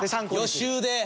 予習で。